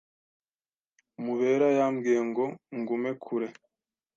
Mubera yambwiye ngo ngume kure.